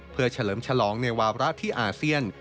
เพื่อเฉลิมฉลองในวาระที่อาเซียน